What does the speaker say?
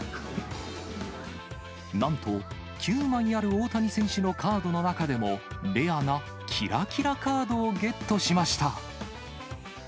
なんと、９枚ある大谷選手のカードの中でも、レアなきらきらカードをゲットしました。